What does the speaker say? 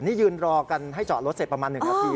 นี่ยืนรอกันให้จอดรถเสร็จประมาณ๑นาที